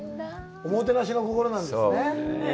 おもてなしの心なんですよね。